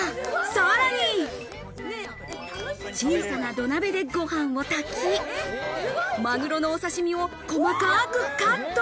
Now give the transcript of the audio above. さらに、小さな土鍋でご飯を炊き、マグロのお刺身を細かくカット。